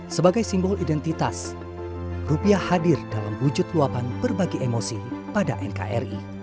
sebagai simbol identitas rupiah hadir dalam wujud luapan berbagi emosi pada nkri